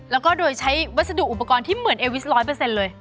แล้วก็โดยใช้วัสดุอุปกรณ์ที่เหมือนเอวิสร้อยเปอร์เซ็นต์เลย